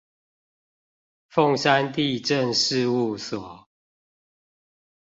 鳳山地政事務所